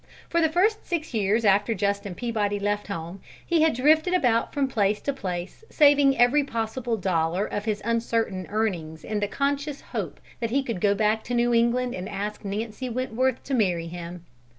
For the first six years after Justin Peabody left home, he had drifted about from place to place, saving every possible dollar of his uncertain earnings in the conscious hope that he could go back to New England and ask Nancy Wentworth to marry him.